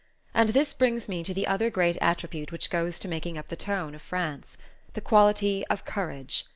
And this brings me to the other great attribute which goes to making up the tone of France: the quality of courage.